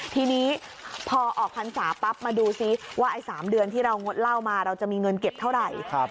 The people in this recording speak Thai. ทีนี้พอออกพรรษาปั๊บมาดูซิว่าไอ้๓เดือนที่เรางดเหล้ามาเราจะมีเงินเก็บเท่าไหร่